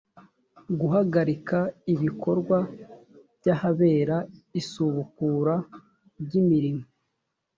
guhagarika ibikorwa by ahabera isubukura ry imirimo